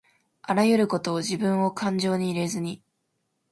あらゆることをじぶんをかんじょうに入れずに